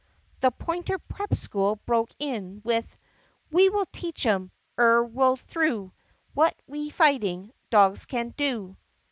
The Pointer Prep School broke in with: "We will teach 'em Ere we 're through What we fighting Dogs can do!"